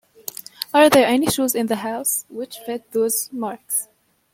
Are there any shoes in the house which fit those marks?